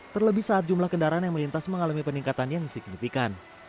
terlebih saat jumlah kendaraan yang melintas mengalami peningkatan yang signifikan